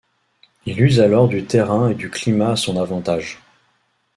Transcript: Il use alors du terrain et du climat à son avantage.